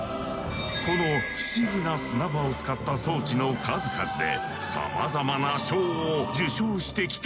この不思議な砂場を使った装置の数々でさまざまな賞を受賞してきた。